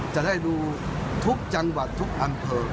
จะได้ดูทุกจังหวัดทุกอำเภอ